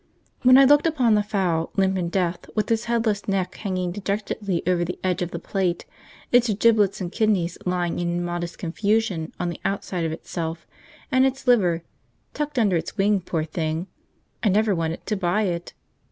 When I looked upon the fowl, limp in death, with its headless neck hanging dejectedly over the edge of the plate, its giblets and kidneys lying in immodest confusion on the outside of itself, and its liver 'tucked under its wing, poor thing,' I never wanted to buy it.